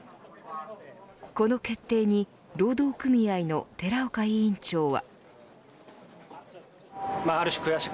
この決定に労働組合の寺岡委員長は。